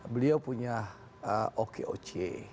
beliau punya okoc